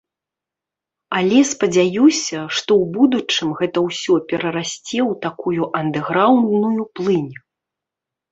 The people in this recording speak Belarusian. Але спадзяюся, што ў будучым гэта ўсё перарасце ў такую андэграўндную плынь.